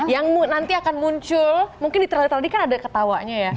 yang nanti akan muncul mungkin di trailer trailer ini kan ada ketawanya ya